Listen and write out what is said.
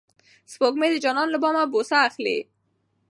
سپوږمۍ د جانان له بامه بوسه اخلي.